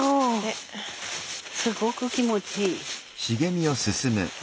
すごく気持ちいい。